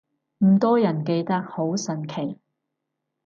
咁多人記得，好神奇